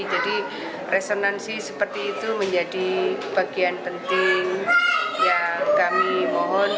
jadi resonansi seperti itu menjadi bagian penting yang kami mohon